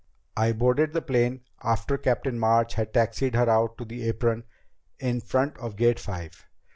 "I boarded the plane after Captain March had taxied her out to the apron in front of Gate Five.